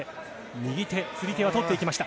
右手、釣り手は取っていきました。